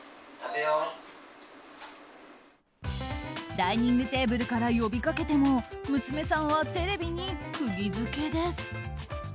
ダイニングテーブルから呼びかけても娘さんはテレビにくぎ付けです。